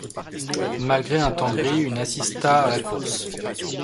Malgré un temps gris, une assista à la course.